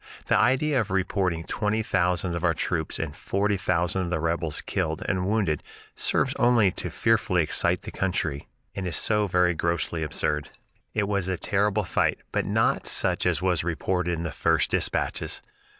The idea of reporting twenty thousand of our troops and forty thousand of the rebels killed and wounded serves only to fearfully excite the country, and is so very grossly absurd. It was a terrible fight, but not such as was reported in the first dispatches.